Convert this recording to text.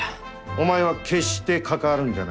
お前は決して関わるんじゃないぞ。